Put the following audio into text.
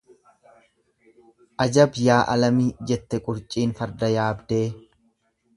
Ajab yaa alamii jette qurciin farda yaabdee.